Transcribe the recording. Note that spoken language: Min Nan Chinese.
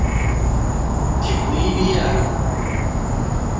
克里米亞